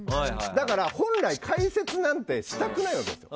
だから本来、解説なんてしたくないわけですよ。